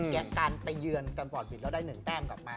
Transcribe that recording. กับแกะการไปเยือนกันฝอดผิดแล้วได้๑แต้มกลับมา